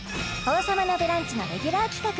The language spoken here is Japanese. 「王様のブランチ」のレギュラー企画